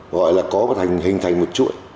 gọi là có hình thành một chuỗi